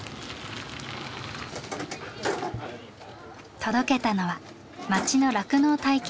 届けたのは町の酪農体験施設。